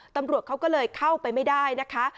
ตำรวจเขาก็เลยเข้าไปไม่ได้นะคะ